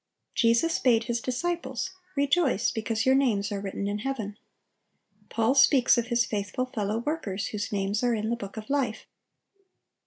Jesus bade His disciples, "Rejoice, because your names are written in heaven."(840) Paul speaks of his faithful fellow workers, "whose names are in the book of life."